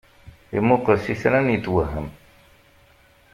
Imuqel s itran, yetwehhem.